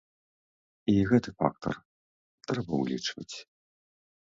І гэты фактар трэба ўлічваць.